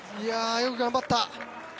よく頑張った。